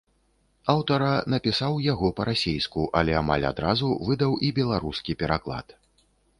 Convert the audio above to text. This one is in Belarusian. Аўтара напісаў яго па-расейску, але амаль адразу выдаў і беларускі пераклад.